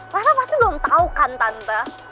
reva pasti belum tahu kan tante